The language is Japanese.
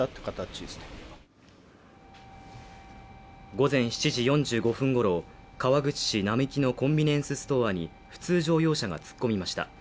午前７時４５分ごろ川口市並木のコンビニエンスストアに普通乗用車が突っ込みました。